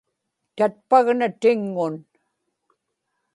tatpagna tiŋŋun